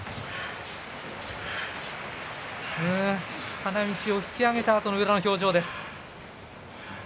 花道を引き揚げたあとの宇良の表情です。